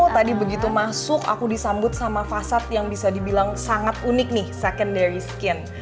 tadi begitu masuk aku disambut sama fasad yang bisa dibilang sangat unik nih secondary skin